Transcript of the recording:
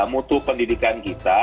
mutu pendidikan kita